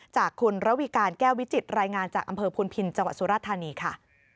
จากคุณระวีการแก้ววิจิตรายงานจากอำเภอพุนพินจังหวัดสุราธานีค่ะ